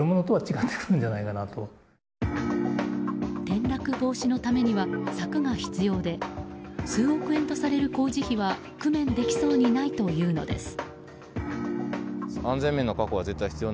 転落防止のためには柵が必要で数億円とされる工事費は工面できそうにないというのです。